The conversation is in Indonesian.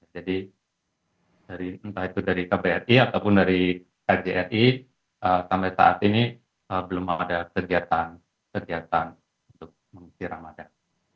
jadi entah itu dari kbri ataupun dari kjri sampai saat ini belum ada kegiatan kegiatan untuk mengisi ramadan